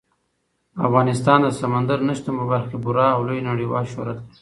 افغانستان د سمندر نه شتون په برخه کې پوره او لوی نړیوال شهرت لري.